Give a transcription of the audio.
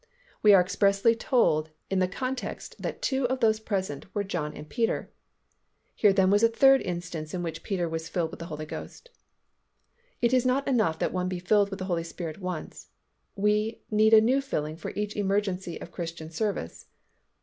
We are expressly told in the context that two of those present were John and Peter. Here then was a third instance in which Peter was filled with the Holy Spirit. It is not enough that one be filled with the Holy Spirit once. We, need a new filling for each new emergency of Christian service.